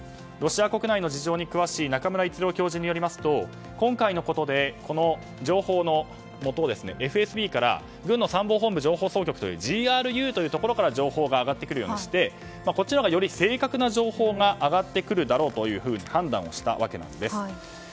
ロシア国内の事情に詳しい中村逸郎教授によりますと今回のことで情報のもとをＦＳＢから軍の参謀本部情報総局というＧＲＵというところから情報が上がってくるようにしてこっちのほうが正確な情報が上がってくるだろうと判断をしたわけなんです。